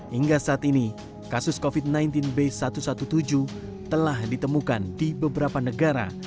hingga saat ini kasus covid sembilan belas b satu satu tujuh telah ditemukan di beberapa negara